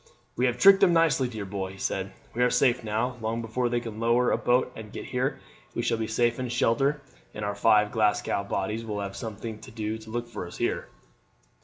"We have tricked them nicely, dear boy," he said; "we are safe now. Long before they can lower a boat and get here we shall be safe in shelter, and our five Glasgow bodies will have something to do to look for us here."